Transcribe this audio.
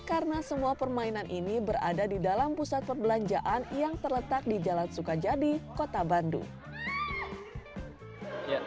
karena semua permainan ini berada di dalam pusat perbelanjaan yang terletak di jalan sukajadi kota bandung